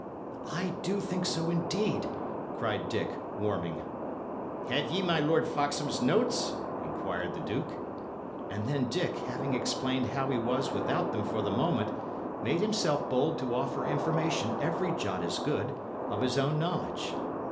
"I do think so, indeed," cried Dick, warming. "Have ye my Lord Foxham's notes?" inquired the duke. And then, Dick, having explained how he was without them for the moment, made himself bold to offer information every jot as good, of his own knowledge.